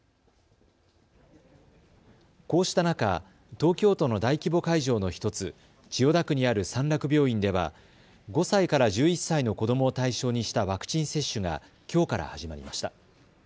こうした中、東京都の大規模会場の１つ、千代田区にある三楽病院では５歳から１１歳の子どもを対象にしたワクチン接種がきょうから始まりました。